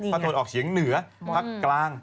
ตะวันออกเฉียงเหนือภาคกลาง